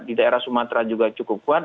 di daerah sumatera juga cukup kuat